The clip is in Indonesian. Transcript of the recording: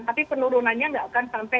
tapi penurunannya nggak akan sampai